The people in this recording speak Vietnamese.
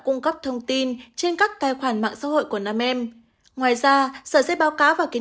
cung cấp thông tin trên các tài khoản mạng xã hội của nam em ngoài ra sở sẽ báo cáo và kiến